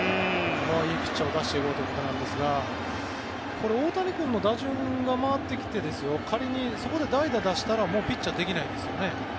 いいピッチャーを出していこうということなんですがこれ、大谷君の打順が回ってきて仮にそこで代打を出したらもうピッチャーはできないですよね？